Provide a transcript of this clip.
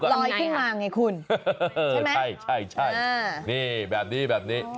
ก็ออกจะลอยขึ้นมาแล้วไงคุณใช่ไหมใช่แบบนี้